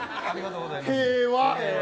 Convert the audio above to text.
平和。